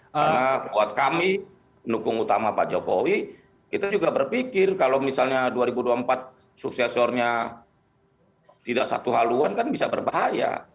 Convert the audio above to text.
karena buat kami nukung utama pak jokowi kita juga berpikir kalau misalnya dua ribu dua puluh empat suksesornya tidak satu haluan kan bisa berbahaya